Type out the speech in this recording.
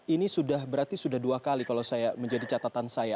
ini sudah berarti sudah dua kali kalau saya menjadi catatan saya